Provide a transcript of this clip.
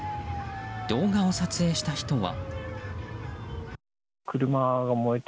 動画を撮影した人は。